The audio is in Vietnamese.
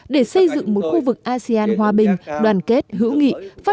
để xây dựng một khu vực asean hòa bình đoàn kết hữu nghị phát triển thịnh vượng